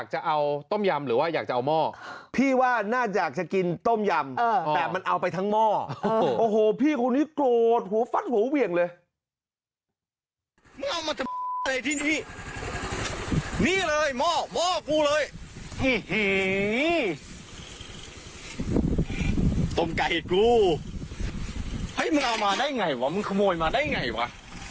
เห้ยมึงเอามาได้ไงว่ะมึงขโมยมาได้ยังไงวะ